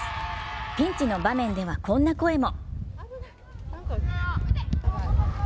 ピンチの場面では、こんな声も。